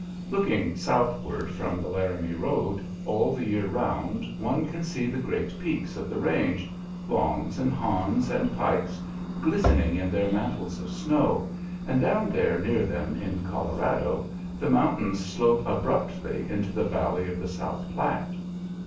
Looking southward from the Laramie road, all the year round one can see the great peaks of the range Long's and Hahn's and Pike's glistening in their mantles of snow, and down there near them, in Colorado, the mountains slope abruptly into the Valley of the South Platte.